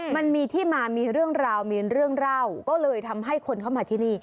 มันมีที่มามีเรื่องราวมีเรื่องเล่าก็เลยทำให้คนเข้ามาที่นี่